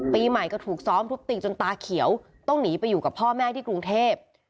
ปีใหม่ก็ถูกซ้อมทุบตีจนตาเขียวต้องหนีไปอยู่กับพ่อแม่ที่กรุงเทพ